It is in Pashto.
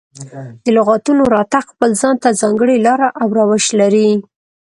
د لغتونو راتګ خپل ځان ته ځانګړې لاره او روش لري.